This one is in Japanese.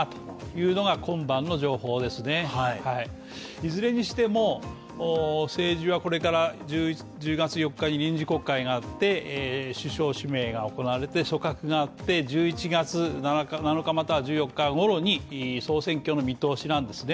いずれにしても政治はこれから１０月４日に臨時国会があって首相指名が行われて昇格があって１１月７から７日または１４日頃に総選挙の見通しなんですね